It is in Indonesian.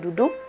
lalu dia duduk